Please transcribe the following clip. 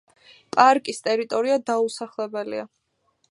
პარკის ტერიტორია დაუსახლებელია.